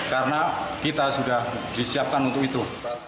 karena kita sudah disiapkan untuk itu